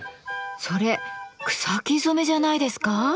それ草木染めじゃないですか？